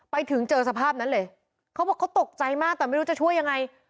ไปถึงเจอสภาพนั้นเลยเขาบอกเขาตกใจมากแต่ไม่รู้จะช่วยยังไง